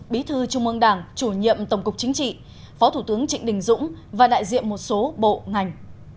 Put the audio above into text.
bí thư trung ương đảng chủ nhiệm tổng cục chính trị phó thủ tướng trịnh đình dũng và đại diện một số bộ ngành